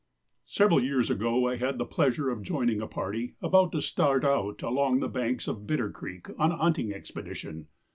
Several years ago I had the pleasure of joining a party about to start out along the banks of Bitter creek on a hunting expedition.